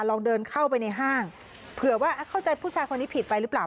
ลองเดินเข้าไปในห้างเผื่อว่าเข้าใจผู้ชายคนนี้ผิดไปหรือเปล่า